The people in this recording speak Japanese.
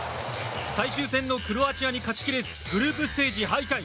最終戦のクロアチアに勝ち切れずグループステージ敗退。